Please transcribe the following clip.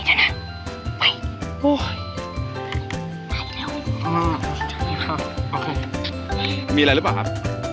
โอ้ยไปเร็วอ่าโอเคมีอะไรรึเปล่าครับ